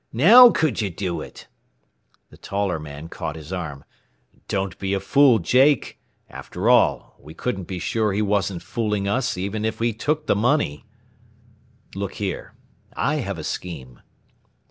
"Now could you do it?" The taller man caught his arm. "Don't be a fool, Jake. After all, we couldn't be sure he wasn't fooling us even if he took the money. "Look here, I have a scheme."